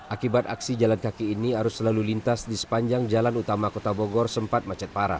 akibat aksi jalan kaki ini arus lalu lintas di sepanjang jalan utama kota bogor sempat macet parah